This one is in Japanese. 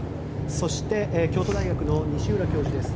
そして京都大学の西浦教授です。